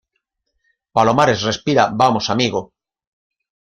palomares, respira. vamos, amigo.